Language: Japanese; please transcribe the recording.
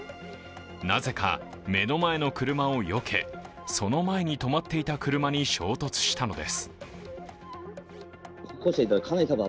なぜか目の前の車をよけ、その前に止まっていた車に衝突したのです。